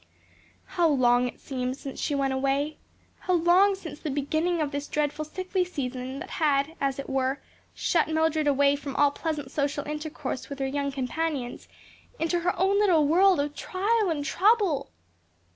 How long it seemed since she went away! how long since the beginning of this dreadful sickly season that had, as it were, shut her (Mildred) away from all pleasant social intercourse with her young companions into her own little world of trial and trouble!